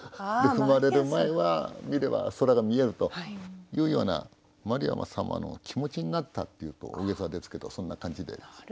踏まれる前は見れば空が見えるというようなマリア様の気持ちになったって言うと大げさですけどそんな感じです。